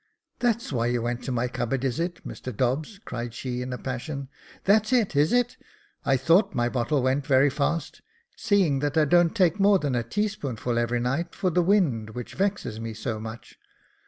" That's why you went to my cupboard, is it, Mr Dobbs ?" cried she, in a passion. " That's it, is it ? I thought my bottle went very fast ; seeing that I don't take more than a teaspoonful every night, for the wind which vexes me so much.